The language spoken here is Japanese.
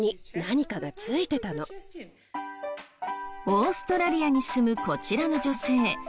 オーストラリアに住むこちらの女性。